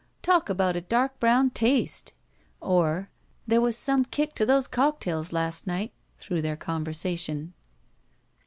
"Talk about a dark brown taste!" or, "There was some kidc to those cocktails last night," through their conversation.